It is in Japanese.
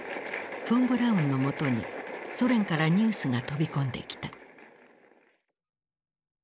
フォン・ブラウンのもとにソ連からニュースが飛び込んできた。